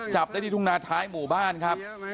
จับได้ที่ทุ่งนาท้ายหมู่บ้านครับ